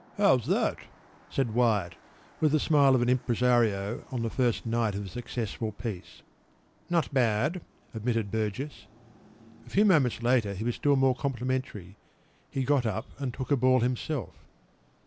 p> “How’s that?” said Wyatt, with the smile of an impresario on the first night of a successful piece. “Not bad,” admitted Burgess. A few moments later he was still more complimentary.  He got up and took a ball himself.